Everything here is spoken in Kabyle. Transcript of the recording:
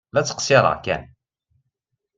La ttqeṣṣiṛeɣ kan.